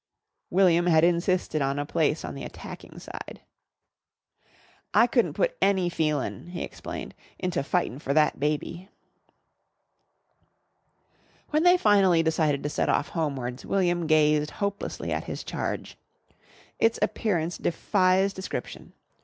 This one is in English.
William had insisted on a place on the attacking side. "I couldn't put any feelin'," he explained, "into fightin' for that baby." When they finally decided to set off homewards, William gazed hopelessly at his charge. Its appearance defies description.